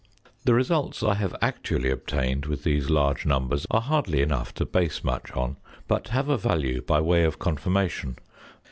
The results I have actually obtained with these large numbers are hardly enough to base much on, but have a value by way of confirmation.